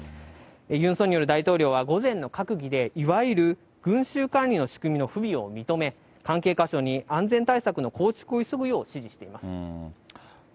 ユン・ソンニョル大統領は午前の閣議でいわゆる群衆管理の仕組みの不備を認め、関係各所に安全対策の構築を急ぐよう指示しています。